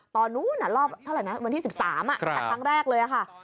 ตอนนู้นวันที่๑๓จากครั้งแรกเลยค่ะ